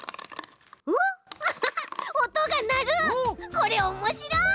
これおもしろい！